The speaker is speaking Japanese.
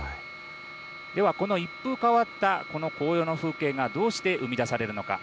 では、この一風変わった紅葉の風景がどうして生み出されるのか